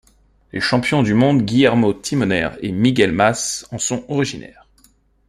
Les champions du monde Guillermo Timoner et Miguel Mas en sont originaires.